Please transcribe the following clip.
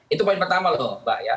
itu poin pertama loh mbak ya